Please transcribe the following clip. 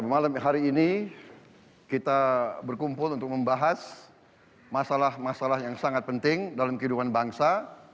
malam hari ini kita berkumpul untuk membahas masalah masalah yang sangat penting dalam kehidupan bangsa